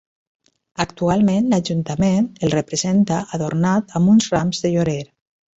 Actualment l'Ajuntament el representa adornat amb uns rams de llorer.